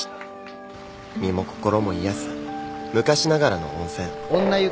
身も心も癒やす昔ながらの温泉。